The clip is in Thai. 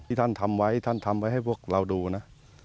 ท่านทำไว้ท่านทำไว้ให้พวกเราดูนะ